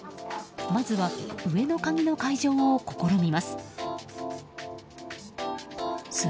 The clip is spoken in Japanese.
まずは上の鍵の開錠を試みます。